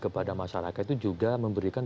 kepada masyarakat itu juga memberikan